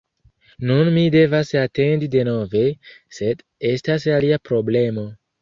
Nun mi devas atendi denove, sed estas alia problemo: